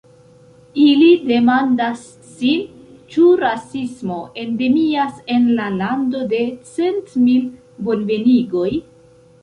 Ili demandas sin, ĉu rasismo endemias en la lando de cent mil bonvenigoj.